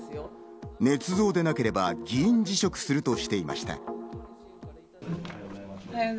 ねつ造でなければ、議員辞職するとしていました。